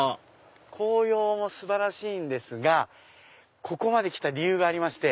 紅葉も素晴らしいんですがここまで来た理由がありまして。